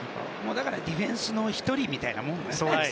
だから、ディフェンスの１人みたいなものですよね。